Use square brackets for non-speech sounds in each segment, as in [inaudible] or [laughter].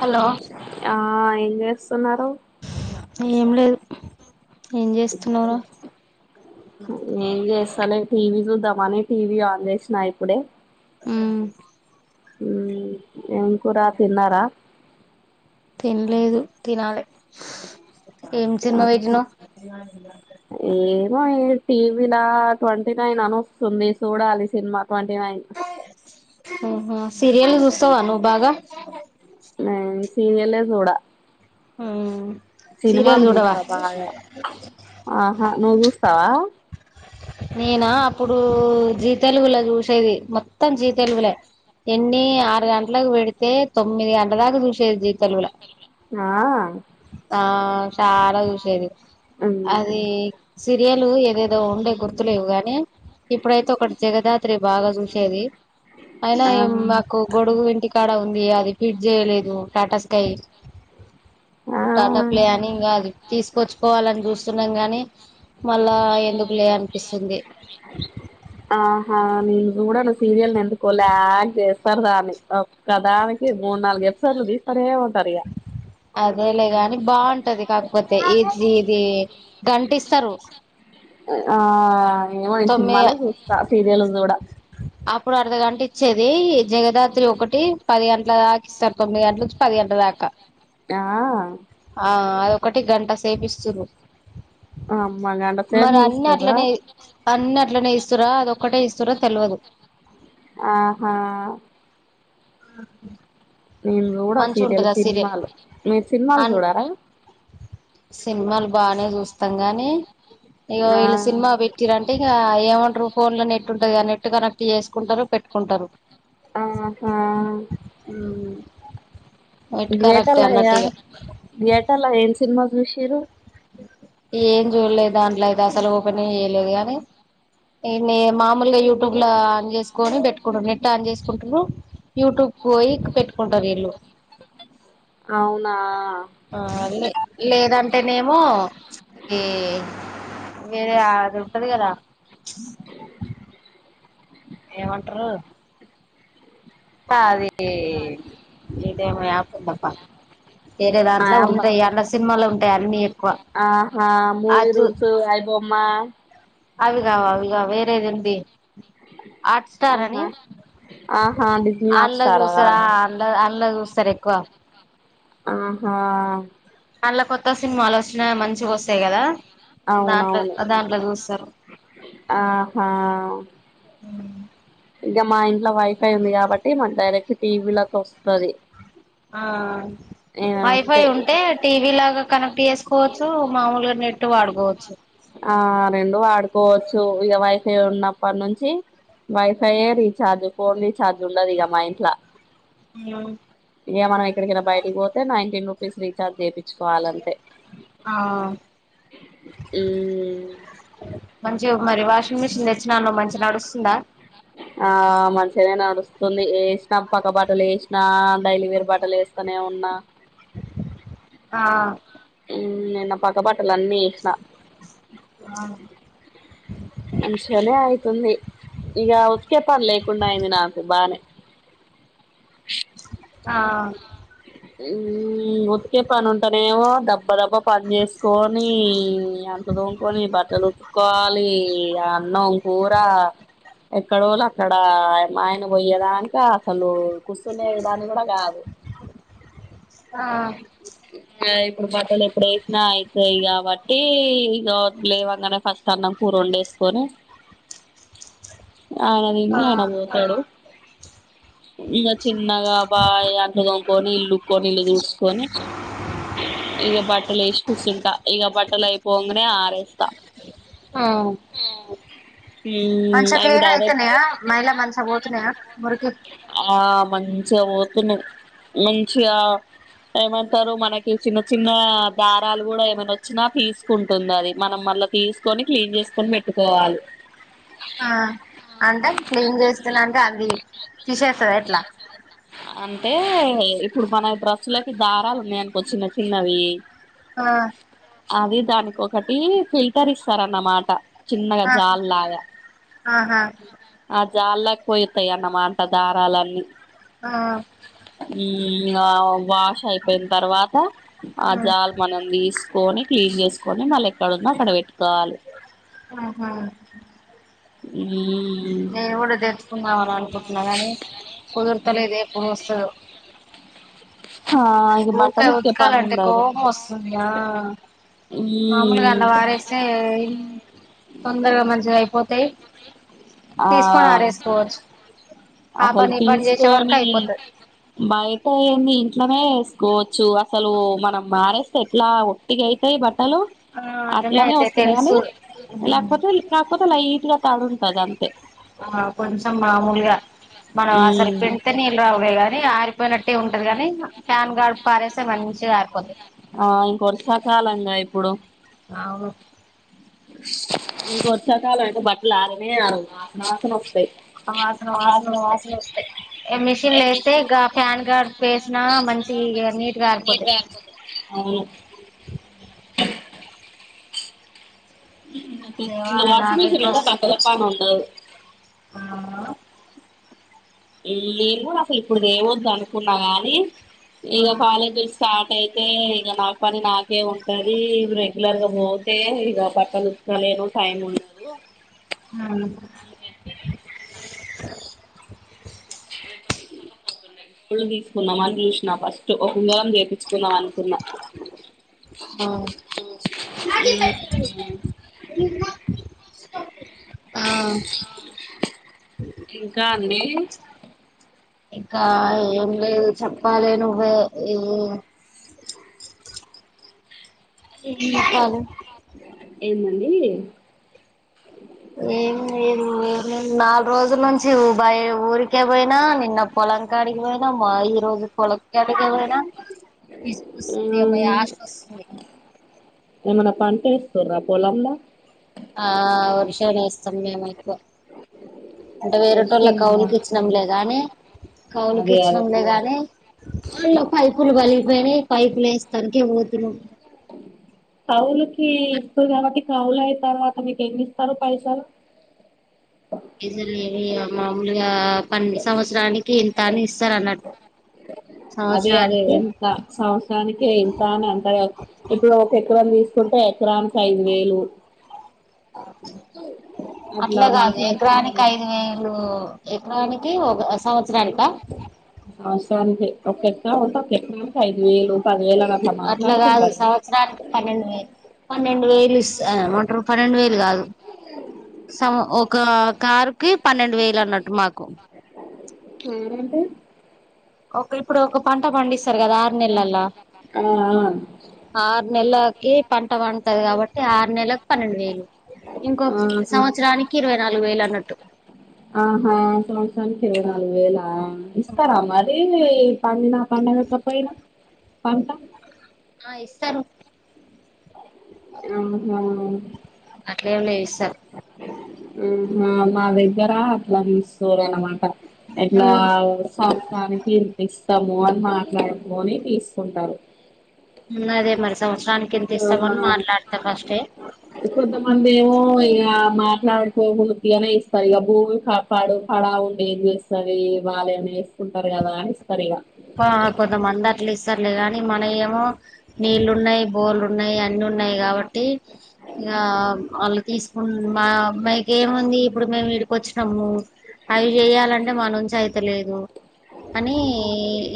Hello ఆ ఏం జేస్తున్నారు ఏం లేదు ఏం జేస్తున్నావ్ రా స్తలే టీవీ చూద్దామని టీవీ ఆన్ జేసినా ఇప్పుడే మ్మ్ ఉ ఏం కూరా తిన్నారా తిండ్లేదు తినాలె ఆహా ఏమో టీవీ లా ట్వం టీ నైను అను వస్తుంది సూడాలి సినిమా ట్వంటి నైన్ ఊహూ సీరియల్ జూస్తావా నువ్వు బాగా నేన్ సీరియల్లే చూడా అవునా సినిమాలు జూస్తా బాగా ఆహా నువ్వు జూస్తావా నేనా అప్పుడు జీ తెలుగులో జూసేది మొత్తం జీ తెలుగులే ఎన్ని ఆరు గంట్లకు పెడితే తొమ్మిది గంటల దాకా చూసేది జీ తెలుగులో ఆ చాలా చూసేది ఉమ్, అది సీరియలు ఏదే దో ఉండే గుర్తులేవు గాని ఇప్పుడైతే ఒకటి జగదాత్రి బాగా జూసేది అయినా ఆ ఏం మాకు గొడుగు ఇంటికి క్కూడా ఉంది అది ఫిట్ జేయలేదు టాటా స్కై టాటా ప్లే ఆ అని ఇంగా అది తీసుకొచ్చుకోవాలని జూస్తున్నాం గానీ మళ్ళా ఎందుకులే అనిపిస్తుంది ఆ నేను గూడా నువ్వు సీరియల్ను ఎందుకు వాళ్ళు యాగ్ జేస్ స్తార్ గా అని ఒక్క దానికి మూడు నాలుగు ఎపిసోడ్లు దీస్తానే ఉంటారు ఇగ అదేలే గాని బాంటది కాకపోతే ఇది జీ ఇది గంట ఇస్తారు ఆ ఏమొ నేను నేను తొమ్మిది సినిమాలే చూస్తా సీరియల్లు జూడ అప్పుడు అర్ధగంట ఇచ్చేది జగదాథ్ రాత్రి ఒకటి పది గంట్ల దాక ఇస్తారు తొమ్మిది గంట్ల నుంచి పది గంట దాకా ఆ ఆ అదొక్కటి గంట సేపిస్తుర్రు అమ్మ గంట సేపు మరి అన్ని చూస్తారా అట్లనే అన్ని అ అట్లనే ఇస్తుర్ర అది ఒక్కటే ఇస్తుర్రా తెల్వదు ఆహా ఆ నేను చూడా మంచిగా సీరియల్ ఉంటది సినిమాలు మీరు సినిమాలు అన్ చూడారా సినిమాలు బానే చూస్తాం గానీ ఇగ ఆ వీళ్ళు సినిమా పెట్టిరంటే ఇకఏమంటారు ఫోన్ లో నెట్ ఉంటది గా నెట్ కనెక్ట్ చేసుకుంటారు పెట్టుకుంటారు ఆహా నెట్ కనెక్ట్ థియేటర్లోయా అన్నట్టు ఇగ థియేటర్లో ఏన్ సినిమాస్ విషరు ఏం చూడలేదు దాంట్లో అయితే అసలు ఓపెన్ నే చేయలేదు గాని ఎ మెమామూలుగా యూట్యూబ్ లో ఆన్ చేసుకుొని పెట్టుకుంటారు నెట్లా ఆన్ చేసుకుంటు యూట్యూబ్ పోయిక్ పెట్టుకుంటారు ఇల్లు అవునా ఆ లే లేదంటేనేమో ఈ వేరే ఆదుంటది కదా ఏమంటారు అద ఇదేమ ఆకుందప్పా వేరే ఆ దాంట్లో యాపా ఉందియి అన్న సినిమాలు ఉంటాయి అన్న ఎక్కువ ఆహా ఆ మూవీ చూ రూల్స్ అయి బొమ్మ. లేదండి హాట్ స్టార్ ఆహా అని ఆహా డిస్నీ హాట్ అళ్లు స్టారా చూస్తారా [unintelligible] అందులో అందలో చూస్తారు ఎక్కువ ఆహా అల్ళ కొత్త సినిమాలు వచ్చినా మంచిగా వస్తాయి కదా దాంట్లోది అవునవును దాంట్లో చుసారు ఆహా ఇంగా మా ఇంట్లో వైఫై ఉంది కాబట్టి మన డైరెక్ట్ టీవీ లో కు వస్తోస్తది ఆ వైఫై ఉంటే టీవీ లాగా కనెక్ట్ చేసుకోవచ్చు మామూలుగా నెట్టు వాడుకోవచ్చు ఆ రెండు ఆడుకోవచ్చు ఇక వైఫ ఉన్నప్పటి నుంచి వైఫైయే రీచార్జ్ ఫోన్ రీచార్జ్ ఉండదుక మా ఇంట్లో ఇ మనం ఎక్కడికైనా బయటకి పోతే న టీన్ రుపీస్ రీఛార్జ్ చేయించుకోవాలంతే ఆ ఉ మంచి మరి వాషింగ్ మిషిన్ తెచ్చినాను మంచి నడుస్తుందా ఆ మంచిదే నా నడుస్తుంది వేసినా పక్క బట్టలు వేసినా డైలీ వేరు బట్టలు వేస్తా ఊకనే ఉన్నా ఆ ఎన్న పాక పాటల అనిఅీష్ిన అ మంచిగానే అయితుంది ఇగా వత్తే పని లేకుండా అయింది నాకు బానే ఆ ఉతికే పని ఉంటానేమో దబ్బ దబ్బ పని చేసుకొని అంత దూముకొని బట్టలు ఉతుకోవాలి అన్నం కూర ఎక్కడోళ్ళు అక్కడ మా ఆయన పోయేదాక అసలు కూర్చునే దాని కూడా కాదు ఆ ఇగ ఇప్పుడు బట్టలు ఎప్పుడేసిన అయితాయి ఇగా క ఓ ట్టి [unintelligible] లేవంగానే ఫస్ట్ అన్నం కూర వండేసుకొని ఆయన తిని ఆయన పోతాడు ఇంకా చిన్నగా బాయ్ అంట్లు తోము కొని ఇల్లుకొని ఇల్లు తుడుస్కొని ఇగ బట్టలు ఏసి కూర్చుంటా ఇగ బట్టలు అయిపోంగనే ఆరేస్తా ఆ... హ్మ్ మంచిగ అవి క్లీన్ డైరెక్ట్ అయితున్నయా మైలా మంచ బోతున్నాయా మురికి ఆ మంచిగా పోతున్నాయ్ మంచిగా ఏమంటారు మనకి ఈ చిన్న చిన్న దారాలు కూడా ఏమైనా వచ్చినా తీసుకుంటుంది అది మనం మళ్ళ తీసుకొని క్లీన్ చే స్కుని బెట్టుకోవాలి ఆ అంటే క్లీన్ చేస్తన్నంటే అంది తీసేస్తద ఎట్లా అంటే ఇప్పుడు మన డ్రస్సులకి దారాలు ఉన్నాయనుకో చిన్న చిన్నవి ఆ, అది దానికి ఒకటి ఫిల్టర్ ఇస్తారన్నమాట చిన్నగా జాల్లాగ అహా జాల్లకి పోయితయ్ అన్నమాట దారాలన్నీ ఆ... ఇంగ వాష్ అయిపోయిన తర్వాత ఆ ఉమ్, జాల్ మనం దీస్కొని క్లీన్ చేస్కొని మళ్ళ ఎక్కడ ఉన్న అక్కడ పెట్ ఆహా ఉమ్మ్ నేను కూడా దెచ్చుకుందామని అనుకుంటున్నా కానీ కుదర్తలేదు ఎప్పుడు వస్తదో ఆ ఇగ ఊకే బట్టలు ఉతికే పని ఉతకాలంటే ఉండదు కోపం వస్తుందా మామూలుగా అన్న మ్మ్ వారేసే తొందరగా మంచిగా అయిపోతయ్ ఆ.... ఆ అసలు పని ఈ పని చేసే వరకు తీసుకొనీ అయిపోతుంది బయట ఏమి అట్లనే ఎసుకోచ్చు అసలు మనం మానేస్తే ఎట్లా ఒట్టిగా అవుతయ్ బట్ టలు ఆ, అట్లనే అట్లానే అయితే వస్తున్నాయి కానీ తెలుసు ఉమ్. లేకపోతే లేకపోతే లైట్గా తాడు కద అంతే ఆ కొంచం మామూలుగా మనం అసలు ఉమ్ పెడితే నీళ్ళు రావలే గాని ఆరిపోయినట్టే ఉంటది గాని ప్యాన్ గాల్పుకి ఆరేసే మంచిగా ఆరిపోతయ్ కాలంగ ఇప్పుడు అవును ఇంగ వర్షాకాలం అయితే బట్టలు ఆరనే ఆరవు వాసన వాసనొస్తాయ్ వాసన వాసనొస్తయ్ ఏ మిషన్లు వేస్తే మిషన్లో ఎస్తే గా గాడుపు ఫ్యాన్ వేసినా గాల్పుకి ఎసినా ఇగ మంచి నీట్ గా నీట్గా ఆరిపోతాయి ఆరిపోతయ్ అవును తేవాలే వాషింగ్ నాకే మిషన్ అయితే డ్రెస్ బట్టల పని ఉండదు ఆ... నేను కూడా అసలు ఇప్పుడు ఏం వద్దు అనుకున్నా గానీ ఇగ కాలేజీ స్టార్ట్ అయితే ఇగ నా పని నాకే ఉంటదీ రెగ్యులర్ గా బోతే ఇగ బట్టలు ఉతకలేను టైం ఉ అదుగో అవునా రెండు తీసుకున్నాం పొద్దునే ఫుల్ దీసుకుందమన్ జూసిన ఫస్టు ఒక నెల జి తెచ్చుకుందానుకున్నా ఉమ్ ఆ ఇంకా అండి ఇంకా ఏం లేదు చెప్పాలి నువ్వే ఎం కాదు ఏందండి ఏమ్ లేదు నేన్ నాలుగు రోజుల నుంచి బాయ ఊరికే పోయినా నిన్న పో లంకడి పోయినా మా ఈ రోజు. పొలం కాడికే పోయినా ఆ [unintelligible] ఏమనా పంట ఎస్తుర్రా పొలంలా ఆ వరి చేను ఎస్తాం మేం ఎక్కువ అంటే వేరేటోళ్ళ వర్షం కవులుకిచ్చినాంలేగాని అదే అదే కౌలుకిచ్చనంలేే గాని వాల్లు పైపులు బలిపోయినై పైపులు ఎస్తానికి తిను కవులుకి ఇస్తు కాబట్టి కవులయి తర్వాత మీకు ఎన్ని ఇస్తారు పైసలు [unintelligible] మాములుగా పండి సంవత్సరానికి ఇంత అని ఇస్తారు అన్నట్టు అదే అదే సంవత్సరానికి ఎంత సంవత్సరానికి ఎంత అని అంత కల్ ఇప్పుడు పెట్టుబడి తీస్ కుంటే ఎకరానికి ఐదు వేలు అట్లా గాదె ఎకరానికి ఐదు వేలు ఎకరానికి ఒక సంవత్సరానికా అవసరనీకే ఒక్క ఎకరం ఉంటే ఒక్క ఎకరానికి ఐదు వేలు పదివేలు అ అట్లా గాదు సంవత్సరానికి పన్నెండు వేలు పన్నెండు వేయిలిస్త ఎమంటారు పన్నెండు వేలు గాదు సమ ఓక్ క్క కార్కి పన్నెండు వేలు అన్నటు మాకు కేరెంట ఒక ఇప్పుడు ఒక పంట పండిస్ పెర్గాదా ఆరు నెల్లల్ల ఆ ఆరు నెల్లాకి పంట పండుతది కాబట్టి ఆరు నెల్లకు పన్నెండు వేలు ఇంకో ఆహా సంవత్సరానికి ఇరవై నాలుగు వేలు అన్నట్టు ఆహా సంవత్సరానికి ఇరవై నాలుగు వేల ఇస్తారా మరి పండిన పండగపోయినా పంట ఆ ఇస్తారు ఆహా అట్లేమ్ లేదు ఇస్తారు ఆ మా దగ్గర అట్లా తీస్కోరన్నమాట ఎట్లా ఉమ్, సంవత్సరానికి ఇంతిస్ తము అని మాట్లాడుకొని తీస్కుంటారు ఉమ్ అదే మరి సంవత్సరానికి ఎంత ఇస్తామని మాట్లాడతార్ ఫస్టే కో ఇగా మాట్లాడుకో ఉత్తిగానే ఇస్తారు ఇగ భూమి కాపాడు పడాఉండేం చేస్తంది ఇ వాలి అన్న ఎసుకుంటారు కదానీ ఇస్ ఆ కొంతమంది అట్ల ఇస్తారులే గాని మన ఏమో నీళ్లున్నాయి బోర్లు ఉన్నాయి అన్నిీ ఉన్నాయి కాబ ట్టి ఇగా వాళ్లు తీసుకున్ మామ్మాయికేముంది ఇప్పుడు మేం కొచ్చినము అయి చేయాలంటే మనుంచి అయితలేదు అని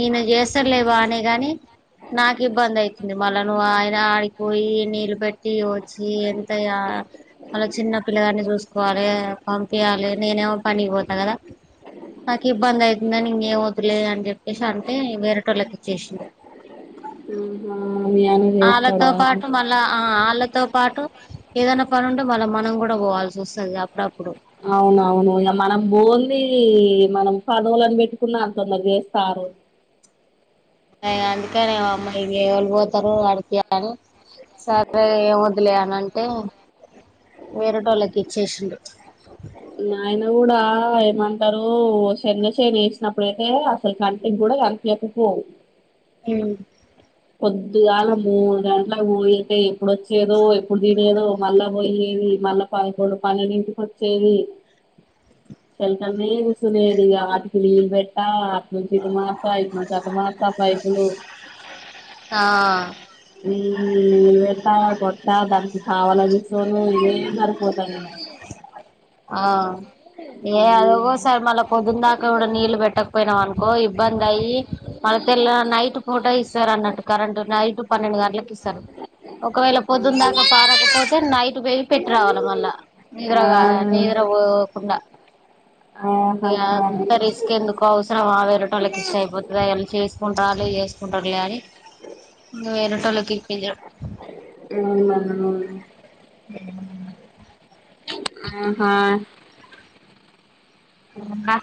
ఇనే చేస్తర్లే బానే గాని నాకు ఇబ్బంది అయితుంది. వాళ్ళను ఆయన ఆడికిపోయి నీళ్ళుపెట్టి వచ్చి ఎంత యా మళ్ళ చిన్న పిల్లగాన్ని చూసుకోవాలి పంపియాలి నేనేమో పనికిపోత కదా నాక్ ఇబ్బంది అయితుందనీ ఇంకేం వద్దులే అని చెప్పేసి అంటే వేరేటోళ్ళకి చేశిండు ఉహు ఆళ్ళతో పాటు మళ్ళా ఆ ఆళ్ళతో పాటు ఏదన్న పని ఉంటే మళ్ళ మనం గూడ పోవాల్సి అస్తది అప్పుడప్ అవునవును ఇగ మనం బోల్ లీ మనం పనోళ్లని పెట్టుకున్న తొందర జేస్తారు అయా అందుకనే ఇవో అమ్మా ఎవి ఎవల్ పోతరో [unintelligible] అని సరే ఇగ వదులేయి అని అంటే వేరేటోళ్ళకి ఇచ్చేసింరు నాయన కూడా ఆ ఏమంటరూ శెనగ షేన్ ఎసినప్పుడయితే అసలు కంటిక్ గూడా కనిపియకపోవు హమ్ పొద్దుగాల మూడు గంటలకు పోయి అత్తే ఎప్పుడచ్చేదో ఎప్పుడు తినేదో మళ్ళా పోయి ఏది ఈ మళ్ళ పదకొండు పన్నెండింటికి ఒచ్చేది [unintelligible] కూసునేది ఆటికి నీళ్ళు బెట్టా మంచిగా మాట్లయిత చక్క మాసపైతులు ఆ ఉమ్ వెట్టా కొట్టా దానికి కావాలని సోనూ ఏం సరిపోతదిగా ఆ ఏ అదో గోస ఇగ మళ్ళీ పొద్దున్ దాకా కూడా నీళ్ళు పెట్టక్ పోయినవనుకో ఇబ్బందయి మళ్ళ తెల్ల నైట్ పూట ఇస్తరు అన్నట్టు కరెంట్ నైట్ పన్నెండు గంటలకి ఇస్తరు ఒకవేళ పొద్దున్ దాకా పారకపోతే నైట్ బేయి పెట్టి రావాల మళ్ళ ఆ నిద్ర గా నిద్రా పోకుండా ఆ ఆహా ఇగ అంత రిస్క్ ఎందుకు అవసరమా వేరేటోళ్ళకి ఇస్తే అయిపోతది అన్ చేస్ కుంటాలీ చేసుకుంటారు కాని వేరేటోళ్ళకి ఇప్పించడం [unintelligible] ఏ ఆహా ఇంకా